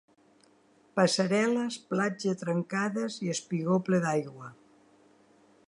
Passarel·les platja trencades i espigó ple d'aigua.